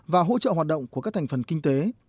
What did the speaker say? và hỗ trợ hoạt động của các thành phần kinh tế